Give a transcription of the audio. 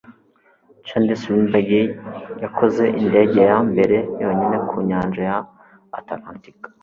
charles lindbergh yakoze indege ya mbere yonyine ku nyanja ya atalantika